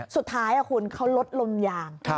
สุดท้ายคุณเขาลดลมยาง